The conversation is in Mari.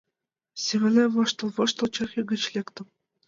Семынем воштыл-воштыл, черке гыч лектым.